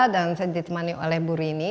dan saya ditemani oleh bu rini